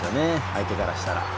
相手からしたら。